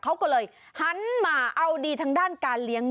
เขาก็เลยหันมาเอาดีทางด้านการเลี้ยง